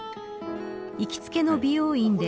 行きつけの美容院で